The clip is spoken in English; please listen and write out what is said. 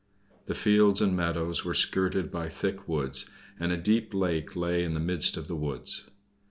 The fields and meadows were skirted by thick woods, and a deep lake lay in the midst of the woods.